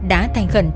đã thành khẩn